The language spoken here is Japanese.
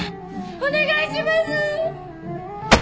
お願いします！